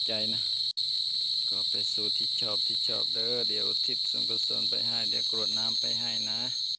เดี๋ยวอุทิศส่วนกระส่วนไปให้เดี๋ยวกรวดน้ำไปให้น่ะ